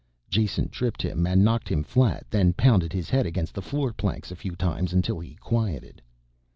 Jason tripped him and knocked him flat, then pounded his head against the floor planks a few times until he quieted.